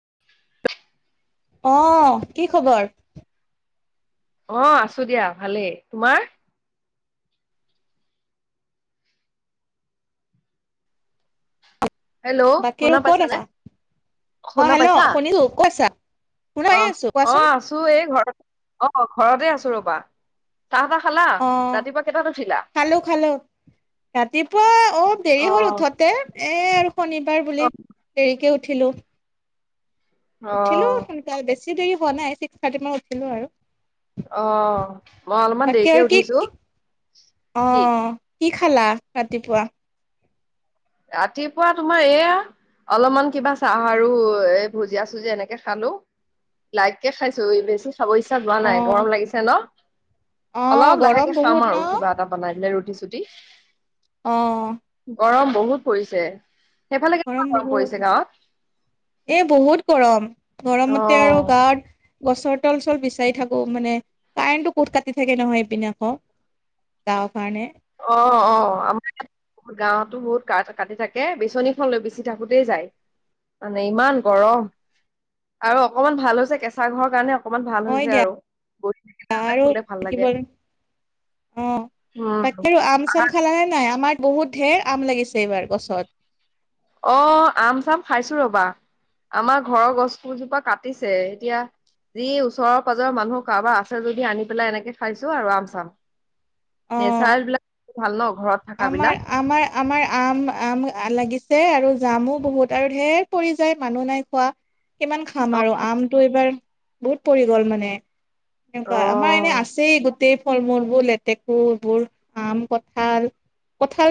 [unintelligible] অহ কি খবৰ? অ আছো দিয়া ভালেই তোমাৰ? হেল্ল' বাকী আৰু শুনা ক'ত পাইছা নে আছা? অ', শুনা হেল্ল' পাইছা শুনিছো ক'ত আছা? শুনা অ পাই আছো অ কোৱাচোন। আছো এই ঘৰত, অ ঘৰতে আছো ৰবা। চাহ তাহ খালা অ ৰাতিপুৱা কেইটাত উঠিলা খালো খালো ৰাতিপুৱা অলপ অ দেৰি হল উঠতে এ এ আৰু শনিবাৰ অ বুলি দেৰিকে উঠিলো। অ উঠিলো সোনকাল, বেছি দেৰি হোৱা নাই ছিক্স থাৰ্টি মানত উঠিলো আৰু। অ মই অলপমান বাকী আৰু দেৰিকে কি উঠিছো কি কি‌? অ', কি খালা ৰাতিপুৱা? ৰাতিপুৱা তোমাৰ এয়া অলপমান কিবা চাহ আৰু এ ভুজিয়া চুজিয়া এনেকে খালো। লাইকে খাইছো বেছি খাব ইচ্ছা যোৱা নাই অ', গৰম লাগিছে ন।। অ', অলপ গৰম লাহেকে বহুত খাম ন? আৰু কিবা এটা বনাই কেনে ৰুটি চুটি। অহ গৰম বহুত পৰিছে সেইফালে কেনেকুৱা গৰম পৰিছে বহুত, গাঁৱত? এ বহুত গৰম অ গৰমতে আৰু গাত গছৰ তল চল বিচাৰি থাকো মানে কাৰেণ্টটো কোত কাটি থাকে নহয় এইপিনে আকৌ। [unintelligible] অ অ আমাৰ গাঁওতো বহুত কাঠ কাটি থাকে বিচনীখন লৈ বিছি থাকোতেই যায়। মানে ইমান গৰম আৰু অকমান ভাল হৈছে কেঁচা ঘৰৰ কাৰণে, অকমান ভাল হয় হৈছে দিয়া আৰু গৈ থাকিলে আৰু খোলে ভাল থাকিব লাগে। অ বাকী উম আম চাম খালা নে নাই, আমাৰ বহুত ঢেৰ আম লাগিছে এইবাৰ গছত। অ আম চাম খাইছো ৰবা। আমাৰ ঘৰৰ গছ কেইজোপা কাটিছে এতিয়া, যি ওচৰৰ পাজৰৰ মানুহ কাৰোবাৰ আছে যদি আনি পেলাই, এনেকে খাইছো আৰু আম চাম। অ নেচাৰেল বিলাক ভাল ন। ঘৰত থকা বিলাক আমাৰ আমাৰ আমাৰ আম আম লাগিছে আৰু জামো বহুত আৰু ঢেৰ পৰি যায় মানুহ নাই খোৱা কিমান খাম অ আৰু আমটো এইবাৰ বহুত পৰি গ'ল মানে, এনেকুৱা আমাৰ এনে অ আছেই গোত গোটেই ফল মূলবোৰ লেতেকুৰ এইবোৰ আম, কঁঠাল।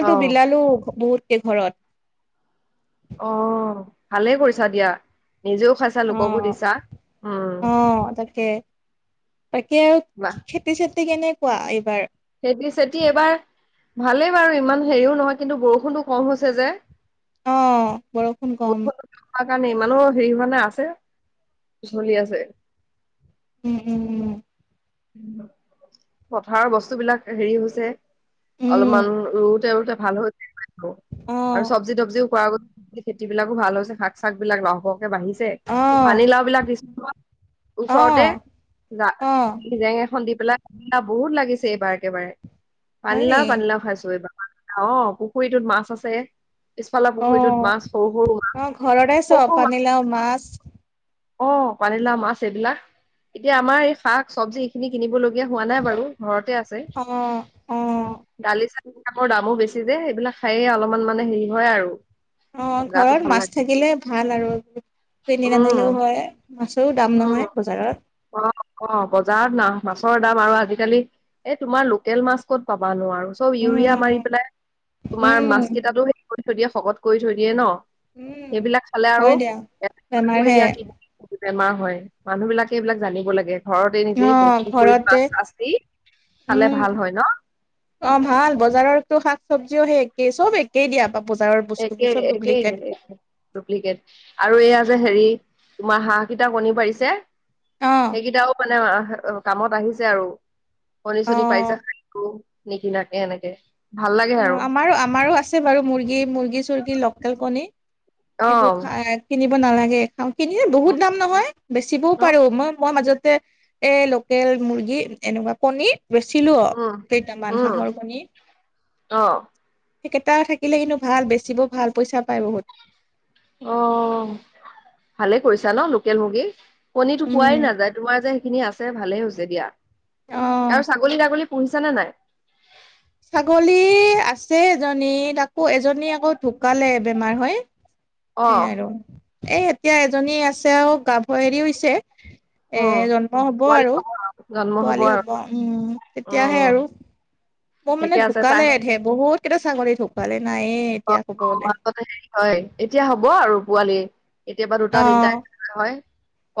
অ বিলালো বহুত কেঘৰত। অ ভালেই কৰিছা দিয়া। নিজেও খাইছা লোককো অ দিছা, উম। অ তাকে আৰু বাহ খেতি চেতি কেনেকুৱা এইবাৰ? খেতি চেতি এবাৰ, ভালেই বাৰু ইমান হেৰিও নহয় কিন্তু বৰষুণটো কম হৈছে যে। অ বৰষুণ কম। সেইকাৰণে ইমানো হেৰি হোৱা নাই, আছে চলি আছে। উম উম উম। পথাৰৰ বস্তু বিলাক হেৰি হৈছে। অলপমান উম ৰুৱোতে ৰুৱতে ভাল হৈ গৈছে অ আৰু চব্জি তবজিও। কৰা খেতি বিলাকো ভাল হৈছে শাক চাক বিলাকো লহপহকে বাঢ়িছে অ পানীলাও বিলাক দিছো নহয় অ ওচৰতে অ জেং এখন দি পেলাই পানীলাও বহুত লাগিছে এইবাৰ একেবাৰে হয় পানীলাও নেকি পানীলাও খাইছো এইবাৰ অঁ পুখুৰীটোত মাছ আছে পিছফালৰ অ পুখুৰীটোত মাছ সৰু সৰু মাছ অ ঘৰতে সৰু চব সৰু পানীলাও মাছ অঁ পানীলাও মাছ এইবিলাক এতিয়া আমাৰ এই শাক চব্জি এইখিনি কিনিব লগা এতিয়া হোৱা নাই বাৰু ঘৰতে আছে অ অ দালি চালি সেইবিলাকৰ দামো বেছি যে সেইবিলাক খায়ে অলপমান মানে হেৰি হয় আৰু অঁ গাটো ঘৰত ভাল মাছ লাগে থাকিলে ভাল আৰু কিনি উম নানিলেও হয়। মাছৰো দাম নহয় বজাৰত। অঁ অঁ বজাৰত মাছৰ দাম আৰু আজিকালি এ তোমাৰ লোকেল মাছ ক'ত পাবা নোৱাৰো চব ইউৰিয়া মাৰি উম, পেলাই তোমাৰ মাছ উম, কেইটাটো হেৰি কৰি থৈ দিয়ে শকত কৰি থৈ দিয়ে ন উম, সেইবিলাক খালে আৰু হয় দিয়া। বেমাৰহে বেমাৰ হয় মানুহ বিলাকে এইবিলাক জানিব লাগে। ঘৰতে নিজেই অ', পুখুৰীত ঘৰতে মাছ আচেই খালে ভাল হয় ন। অঁ ভাল বজাৰৰো শাক চব্জিও সেই একেই চব একেই দিয়া। বা বজাৰৰ বস্তুবোৰ একেই চব একেই ডুপ্লিকেট ডুপ্লিকেট আৰু এইয়া যে হেৰি তোমাৰ হাঁহ কেইটা কণী পাৰিছে অ', সেইকেইটাও মানে কামত আহিছে আৰু কনি চনি পাৰিছে অ', গকো নিকিনাকে এনেকে ভাল লাগে অঁ আৰু আমাৰো আমাৰো আছে বাৰু মুৰ্গী মুৰ্গী চুৰ্গী লোকেল কণী অ এইবোৰ খাই কিনিব নালাগে খাওঁ কিনিলে উম বহুত দাম নহয় বেচিবও অ পাৰো মই মই মাজত মাজতে এ লোকেল মুৰ্গী এনেকুৱা কনীৰ বেচিলো উম কেইটামান হাঁহৰ কণী অঁ সেইকেইটা থাকিলে কিন্তু ভাল বেচিব ভাল পইচা পায় বহুত অঁ ভালে কৰিছা ন লোকেল মুৰ্গী কণী পোৱাই উম নাযায় তোমাৰ যে সেইখিনি আছে ভালেই হৈছে দিয়া অহ আৰু ছাগলী তাগলী শুনিছা নে নাই ছাগলী আছে এজনী আকৌ এজনী আকৌ ঢুকালে বেমাৰ হয় অ সেইয়াই আৰু এ এতিয়া এজনী আছে আৰু গাভীনি হৈছে [inaudible] এ উম জন্ম হব পোৱালি আৰু হব জন্ম হব আৰু উম মই মানে ঠিকে আছে ঢুকালে তাই ধেই বহুত কেইটা ছাগলী ঢুকালে নায়ে এতিয়া ক'ব গ'লে অতে হে হয় এতিয়া হব আৰু পোৱালি কেতিয়াবা দুটা অ তিনিটা এনকা হয়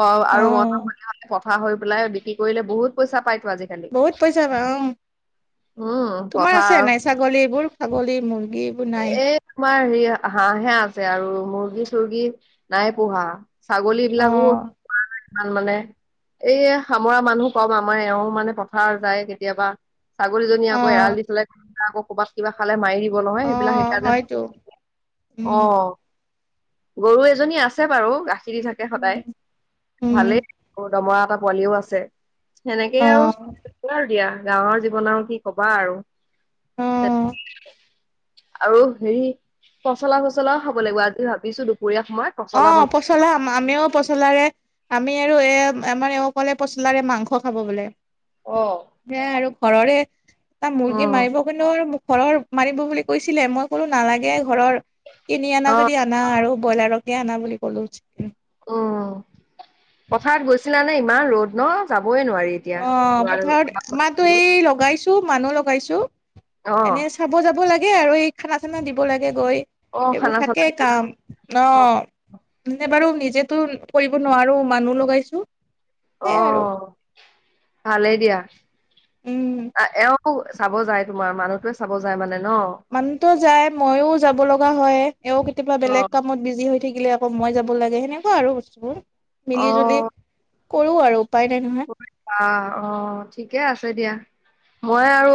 অ আৰু মতা পোৱালি হলে বুঢ়া হৈ পেলাই বিক্ৰী কৰিলে বহুত পইচা পায় বহুত পইচা পায় উম উম তোমাৰ পঠা আছে নাই ছাগলী এইবোৰ ছাগলী মুৰ্গী এইবোৰ নাই এ তোমাৰ হেৰি হাঁহহে আছে আৰু মুৰ্গী চুৰ্গী নাই পোহা। ছাগলী অ বিলাকো ই মানে এইয়া সামৰা মানুহ কম আমাৰ এওঁ মানে পথাৰ যায় কেতিয়াবা। ছাগলীজনী অ আকৌ এৰাল দি থলে আকৌ ক'বাত কিবা খালে মাৰি দিব অ নহয়। এইবিলাক সেই কাৰণে হয়তো নোপোহো উম অঁ গৰু এজনী আছে বাৰু গাখীৰ দি থাকে সদায় উম উম ভালেই। দমৰা এটা পোৱালিও আছে সেনেকেই আৰু অ থাকে আৰু দিয়া। গাঁৱৰ জীৱনৰ আৰু কি কবা আৰু। অ', আৰু হেৰি পচলা চলাও খাব লাগিব আজি ভাবিছো দু অ পচলা আমিও পচলাৰে আমি আৰু এ আমাৰ এওঁ ক'লে পচলাৰে মাংস খাব বোলে। বনাম অ সে আৰু ঘৰৰে এটা মুৰ্গী উম মাৰিব কিন্তু আৰু মোক ঘৰৰ মাৰিব বুলি কৈছিলে, মই কলো নালাগে। ঘৰৰ কিনি অনা অ যদি আনা আৰু ব্ৰইলাৰকে আনা বুলি ক'লো। উ পথাৰত গৈছিলা নে ইমান ৰ'দ ন? যাবই নোৱাৰি এতিয়া। অ পথাৰত আমাৰো এই লগাইছো মানুহ লগাইছো অ', এনে চাব যাব লাগে আৰু, এই খানা চানা দিব লাগে গৈ। অ', এইবোৰ খানা চানা থাকেই দিব কাম ন অ', এনে বাৰু নিজ জেতু কৰিব নোৱাৰো মানুহ লগাইছো। অ সেইয়াই আৰু ভালেই দিয়া। উম। এওঁ চাব যায় তোমাৰ মানুহটোৱে চাব যায় মানে? ন? মানুহতো যায়, মইও যাব লগা হয়, এও কেতিয়াবা বেলেগ অ', কামত বিজি হৈ থাকিলে সময় যাব লাগে সেনেকুৱা আৰু বস্তুবোৰ মিলি জুলি কৰো আৰু। উপায় নাই নহয় আহ অ ঠিকে আছে দিয়া মই আৰু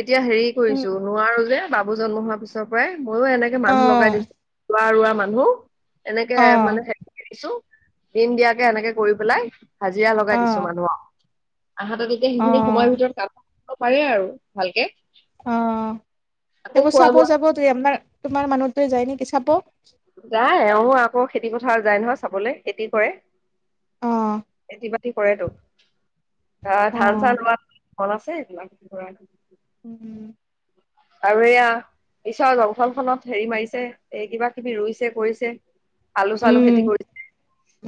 এতিয়া হেৰি কৰিছো, নোৱাৰো যে বাবু জন্ম হোৱাৰ পিছৰ পৰাই মইও এনেকে অ মানুহ লগাই দিছো, লৰা ৰোৱা মানুহ এনেকে অ মানে ছো দিন দিয়াকে এনেকে কৰি পেলাই, হাজিৰা অ লগাই দিছো মানুহ আও। আহা তনিকে অ সেইখিনি সময়ৰ ভিতৰত কাম কৰিব পাৰে আৰু ভালকে। অ আকৌ সেইবোৰ খোৱা চাব বোৱা যাব তু আপনাৰ তোমাৰ মানুহটোৱে যাই নেকি চাব? যায় এওঁ আকৌ খেতি পথাৰ যায় নহয় চাবলে, খেতি কৰে। অ খেতি বাতি কৰেটো আহ ধান চান লোৱা মন আছে এই বিলাক কৰাৰ। উম উম। আৰু এইয়া ঈশ্বৰৰ জংখল খনত হেৰি মাৰিছে এই কিবা কিবি ৰুইছে কৰিছে আলু চালু উম, খেতি কৰিছে,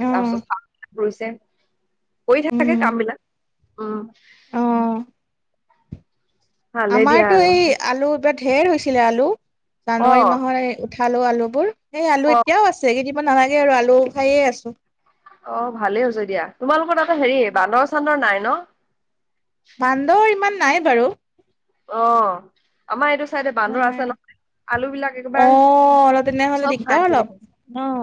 অ তাৰপিছত [unintelligible] কৰিছে কৰি থাকে কাম বিলাক উম অহ। ভালেই দিয়া আমাৰতটো আৰু এই আলু ঢেৰ হৈছিলে আলু। অ জানুৱাৰী মাহৰ এ, উঠালোঁ আলুবোৰ। এই আলু অ এতিয়াও আছে। এইকেইদিন নালাগে আৰু আলু খায়ে আছোঁ। অ! ভালেই হৈছে দিয়া, তোমালোকৰ তাতে হেৰি উম বান্দৰ চান্দৰ নাই ন'? বান্দৰ ইমান নাই বাৰু। অ'! আমাৰ এইটো চাইডে ইমান বান্দৰ নাই আছে নহয়। আলু বিলাক অ একেবাৰ অলপ তেনেহ'লে চব দিগদাৰ খায় নিয়ে। অলপ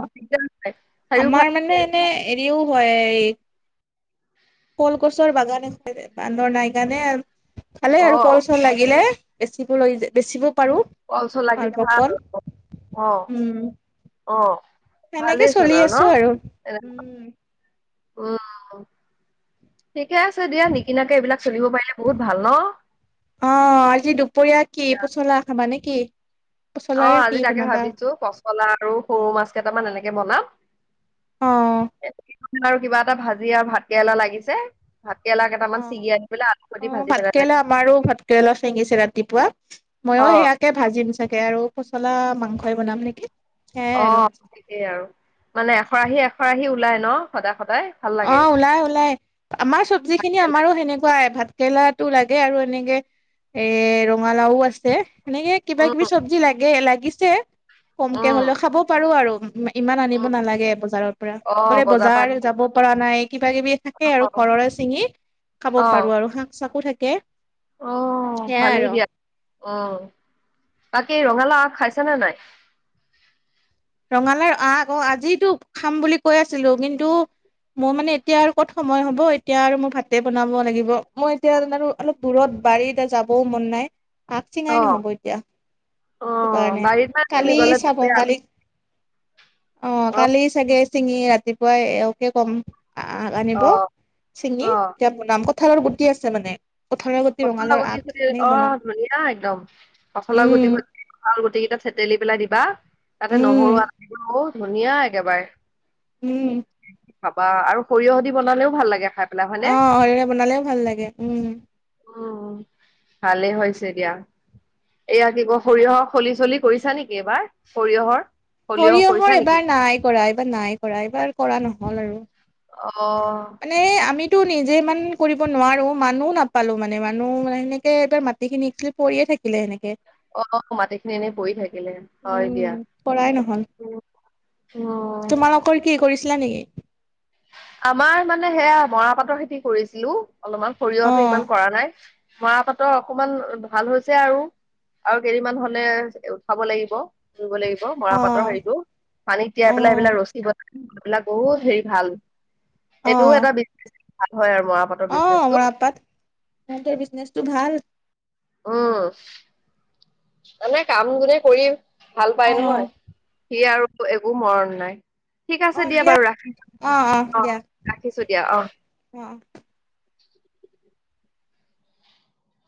[unintelligible] তাৰ মানে, এনে হেৰিও হয় এই কল গছৰ বাগানে বান্দৰ নাই কাৰণে খালে অ আৰু কল চল লাগিলে। বেচিব লৈ বেচিব পাৰো কল চল লাগিলে অল্প ভাল। কল অ'! উম অ'! সেনেকে ভালেই চোন চলি আৰু ন? আছো উম উম! ঠিকে আছে দিয়া, নিকিনাকে এইবিলাক চলিব পাৰিলে বহুত ভাল ন'? অ'! আজি দুপৰীয়া কি দিয়া। পচলা খাবা নে কি? পচলাৰে অ'! কি আজি তাকে বনাবা ভাবিছোঁ! পচলা আৰু সৰু মাছ কেইটামান এনেকে বনাম। অ আৰু কিবা এটা ভাজি আৰু ভাত কেৰেলা লাগিছে। ভাত কেৰেলা কেইটামান অ ছিঙি আনি পেলাই আলু সৈতে অ'! ভাজি পেলাই লাগে ভাতকেৰেলা আমাৰো, ভাতকেৰেলা চিঙিছে ৰাতিপুৱা। মইয়ো অ সেয়াকে ভাজিম চাগে। তাকে আৰু পচলা মাংসই বনাম নেকি। সেয়াই আৰু অ'! তাকেই আৰু মানে, এশৰাহি, এশৰাহি ওলাই ন? সদা অ'! ওলাই, ওলাই। আমাৰ চবজি খিনি আমাৰো সেনেকুৱাই ভাত কেৰেলাটো লাগে আৰু এনেকে এ, ৰঙালাও আছে। সেনেকে, কিবা উম কিবি চবজি লাগে লাগিছে। কমকে উম, হ'লেও খাব পাৰো আৰু। ইমান আনিব উম, নালাগে বজাৰৰ পৰা। বোলে অ', পৰা বজাৰ আনিব যাব পৰা নাই কিবা কিবি থাকে আৰু অ', ঘৰৰে ছিঙি খাব অ', পাৰোঁ আৰু শাক চাকো থাকে। অ'! সেয়াই ভালেই আৰু দিয়া। অ'! বাকী ৰঙালাও আগ খাইছা নে নাই? ৰঙালাওৰ আগ আজিতো খাম বুলি কৈ আছিলোঁ। কিন্তু, মোৰ মানে, এতিয়া আৰু ক'ত সময় হ'ব। এতিয়া আৰু মোৰ ভাতে বনাব লাগিব। মই এতিয়া আৰু অলপ দূৰত বাৰীতে যাবও মন নাই। আগ চিঙাই অ', নহ'ব এতিয়া। সেই অ', কাৰণে, বাৰীত মানে তুমি কালি গ'লে চাব দুপৰীয়া আগ- কালি। অ'! কালি চাগে ছিঙি ৰাতিপুৱাই এওঁকে কম। আগ আনিব অ', চিঙি, অ', তেতিয়া বনাম। কঠালৰ গুটি আছে মানে। কঁঠালৰ গুটি কঠাল ৰঙালাওৰ গুটি আগ খুদি এনেকে বনাম অ'! ধুনীয়া একদম। কঠালৰ গুটি উম খুদি কঠাল গুটি কেইটা থেতেলি পেলাই দিবা। তাতে, উম নহৰু, [unintelligible] ধুনীয়া একেবাৰে। উম! খাবা আৰু সৰিয়হ দি বনালেও ভাল লাগে খায়। অ'! সৰিয়হ বনালেও ভাল লাগে। উম! উম! ভালেই হৈছে দিয়া। এয়া, কি ক' সৰিয়হৰ খলি চলি কৰিছা নেকি এইবাৰ, সৰিয়হৰ? সৰিয়হ কৰিছা সৰিয়হৰ নেকি এইবাৰ নাই কৰা, এইবাৰ নাই কৰা। এইবাৰ কৰা নহ'ল আৰু। অ'! টো নিজে ইমান কৰিব নোৱাৰোঁ। মানুহ নাপালো মানে মানুহ মানে, সেনেকে এবাৰ মাটি খিনি পৰিয়ে থা থাকিলে সেনেকে। অ'! মাটিখিনি এনেই পৰি থাকিলে। হয় দিয়া! উম উম [inaudible] তোমালোকৰ কি কৰিছিলা নেকি? আমাৰ মানে, সেয়া মৰাপাতৰ খেতি কৰিছিলোঁ অলপমান, অ সৰিয়হতো ইমান কৰা নাই। মৰা পাটৰ অকমান ভাল হৈছে আৰু। আৰু কেইদিনমান হ'লে খাব লাগিব। আনিবব লাগিব মৰা অ পাতৰ হেৰিটো, পানী তিয়াই অ পেলাই সেবিলাক ৰছী বন এইবিলাক বহুত হেৰি ভাল অ এইটোও এটা বি। অ মৰাপাট সেহতৰ বিজনেচটো ভাল। উম মানে কাম গুনে কৰিম। ভাল অ পাই নহয় সি আৰু একো মৰণ নাই। ঠিক আছে দিয়া বাৰু অ ৰাখিছোঁ অ দিয়া ৰাখিছো দিয়া অ। অ